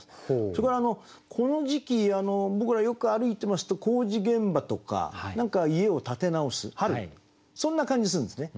それからこの時期僕らよく歩いてますと工事現場とか何か家を建て直す春そんな感じするんですね。